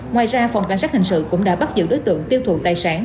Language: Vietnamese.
ngoài ra phòng cảnh sát hình sự cũng đã bắt giữ đối tượng tiêu thụ tài sản